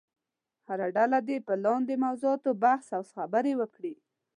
هره ډله دې په لاندې موضوعاتو بحث او خبرې وکړي.